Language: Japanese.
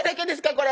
これ。